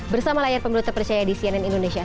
bersama layar pemilu terpercaya di cnn indonesia